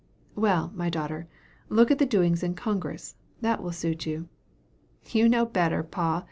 "Well, my daughter, look at the doings in Congress that will suit you." "You know better, pa.